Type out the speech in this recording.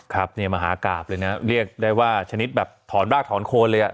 ครับเนี่ยมหากราบเลยนะเรียกได้ว่าชนิดแบบถอนรากถอนโคนเลยอ่ะ